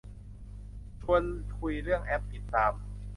ชวนคุยเรื่องแอปติดตาม